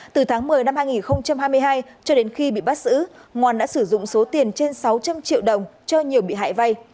từ tháng một mươi năm hai nghìn hai mươi hai cho đến khi bị bắt giữ ngoan đã sử dụng số tiền trên sáu trăm linh triệu đồng cho nhiều bị hại vay